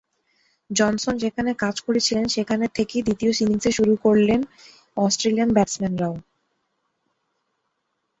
Johnson যেখানে শেষ করেছিলেন সেখান থেকেই দ্বিতীয় ইনিংসের শুরু করলেন অস্ট্রেলিয়ান ব্যাটসম্যানরাও।